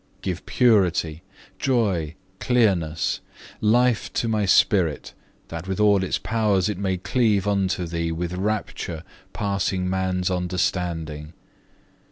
Give purity, joy, clearness, life to my spirit that with all its powers it may cleave unto Thee with rapture passing man's understanding.